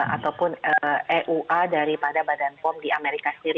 ataupun eua daripada badan pom di amerika sendiri